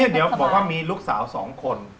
เดี๋ยวบอกว่ามีลูกสาว๒คน